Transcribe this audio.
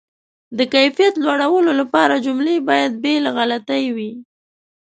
د کیفیت لوړولو لپاره، جملې باید بې له غلطۍ وي.